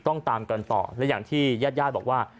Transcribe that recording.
ต้องตามกันต่อและอย่างที่ยาดบอกว่า